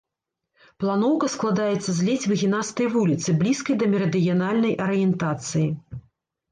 Планоўка складаецца з ледзь выгінастай вуліцы, блізкай да мерыдыянальнай арыентацыі.